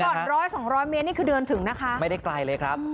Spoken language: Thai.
เดี๋ยวก่อนร้อยสองร้อยเมตรนี่คือเดือนถึงนะคะไม่ได้ไกลเลยครับ